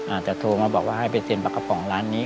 อาจจะโทรมาบอกว่าให้ไปเซ็นปลากระป๋องร้านนี้